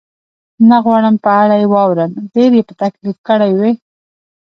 نه غواړم په اړه یې واورم، ډېر یې په تکلیف کړی وې؟